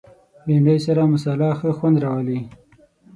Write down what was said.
بېنډۍ سره مصالحه ښه خوند راولي